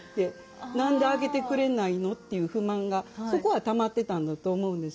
何で上げてくれないのっていう不満がそこはたまってたんだと思うんですね。